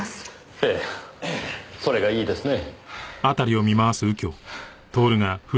ええそれがいいですねぇ。